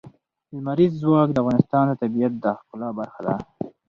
لمریز ځواک د افغانستان د طبیعت د ښکلا برخه ده.